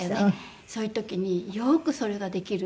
そういう時に「よくそれができる。